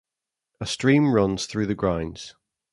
A stream runs through the grounds.